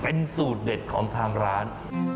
เป็นสูตรเด็ดของทางร้าน